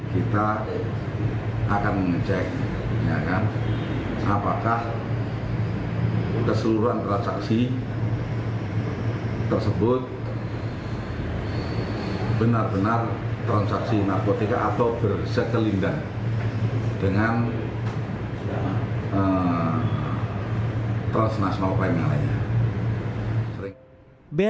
kita akan mengecek apakah keseluruhan transaksi tersebut benar benar transaksi narkotika atau bersekelindang dengan transnas malpanya lainnya